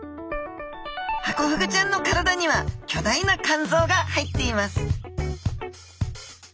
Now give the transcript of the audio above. ハコフグちゃんの体には巨大な肝臓が入っています